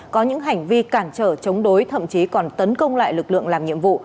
có những hành vi cản trở chống đối thậm chí còn tấn công lại lực lượng làm nhiệm vụ